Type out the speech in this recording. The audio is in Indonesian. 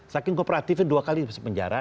saking kooperatifnya dua kali di penjara